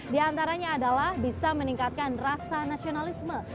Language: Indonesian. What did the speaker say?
di antaranya adalah bisa meningkatkan rasa nasionalisme